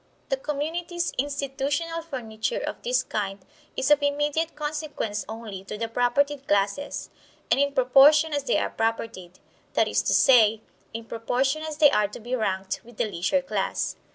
The community's institutional furniture of this kind is of immediate consequence only to the propertied classes, and in proportion as they are propertied; that is to say, in proportion as they are to be ranked with the leisure class.